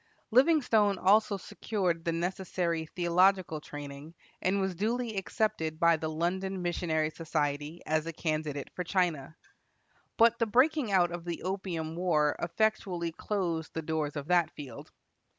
Livingstone also secured the necessary theological training, and was duly accepted by the London Missionary Society as a candidate for China. But the breaking out of the Opium war effectually closed the doors of that field.